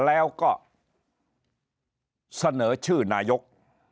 แล้วก็เสนอชื่อนายก